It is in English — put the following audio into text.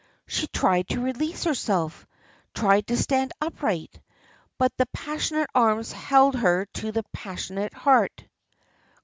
She tried to release herself, tried to stand upright, but the passionate arms held her to the passionate heart.